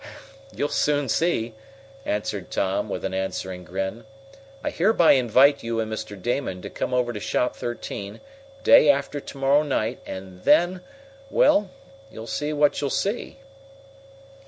"You'll soon see," answered Tom, with an answering grin. "I hereby invite you and Mr. Damon to come over to Shop Thirteen day after to morrow night and then Well, you'll see what you'll see."